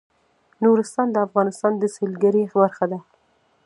نورستان د افغانستان د سیلګرۍ برخه ده.